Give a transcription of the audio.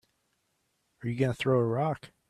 Are you gonna throw a rock?